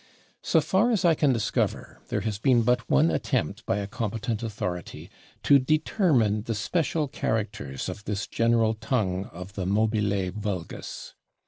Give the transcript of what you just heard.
So far as I can discover, there has been but one attempt by a competent authority to determine the special characters of this general tongue of the /mobile vulgus